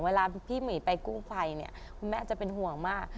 เวลาพี่หมีไปกู้ภัยเนี่ยคุณแม่จะเป็นห่วงมาก